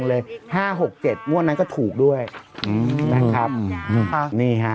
๕๖๗งวดนั้นก็ถูกด้วยอือนะครับอือนี่ฮะ